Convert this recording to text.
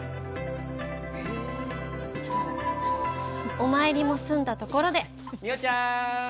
お参りも済んだところで美桜ちゃん。